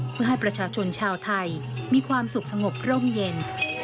เพื่อให้ประชาชนชาวไทยมีความสุขสงบร่มเย็น